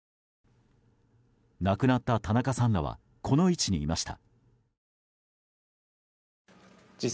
亡くなった田中さんらはこの位置にいました。